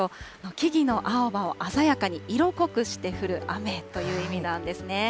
木々の青葉を鮮やかに色濃くして降る雨という意味なんですね。